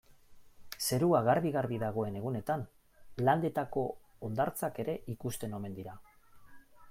Zerua garbi-garbi dagoen egunetan Landetako hondartzak ere ikusten omen dira.